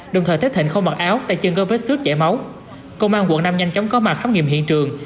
đồng thời thấy thịnh không mặc áo tay chân go vết xước chảy máu công an quận năm nhanh chóng có mặt khám nghiệm hiện trường